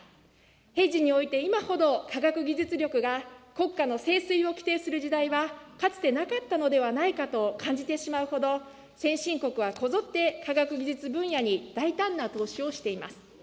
平時において今ほど科学技術力が国家の盛衰を規定する時代は、かつてなかったのではなかったのかと感じてしまうほど、先進国はこぞって、科学技術分野に大胆な投資をしています。